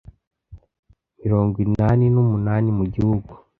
Mirongwinani numunani mu gihugu